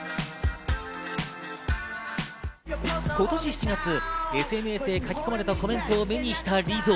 今年７月、ＳＮＳへ書き込まれたコメントを目にしたリゾ。